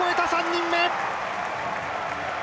３人目。